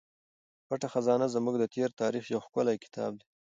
پټه خزانه زموږ د تېر تاریخ یو ښکلی کتاب دی.